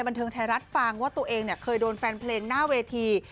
บันทึงแตรัฐฟางว่าตัวเองเคยดูลแฟนเพลงหน้าเวที